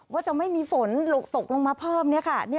ว่าจะไม่มีฝนตกลงมาเพิ่มเนี่ยค่ะ